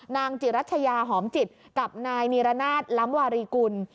นางจิรัชยาหอมจิตกับนายนิรนาศล้ำวารีกุล